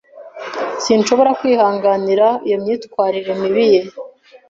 Sinshobora kwihanganira iyo myitwarire mibi ye.